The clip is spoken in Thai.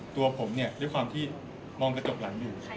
ตัวผมเนี่ยด้วยความที่มองกระจกหลังอยู่